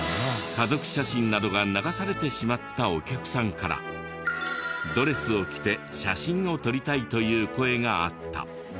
家族写真などが流されてしまったお客さんからドレスを着て写真を撮りたいという声があった。